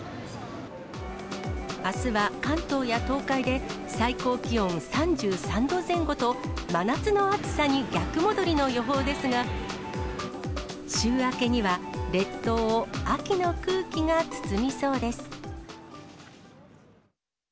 あすは関東や東海で、最高気温３３度前後と、真夏の暑さに逆戻りの予報ですが、週明けには列島を秋の空気が包みそうです。